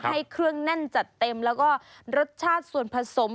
ให้เครื่องแน่นจัดเต็มแล้วก็รสชาติส่วนผสม